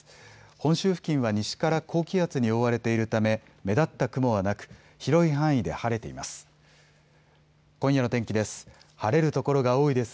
本州付近は西から高気圧に覆われているため目立った雲はなく、広い範囲で晴れています。